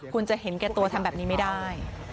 คุณจะเห็นแก่ตัวทำแบบนี้ไม่ได้